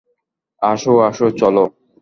আসো, আসো, চলো।